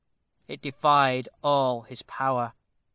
It defied all his power.